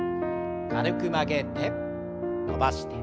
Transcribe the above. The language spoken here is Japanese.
軽く曲げて伸ばして。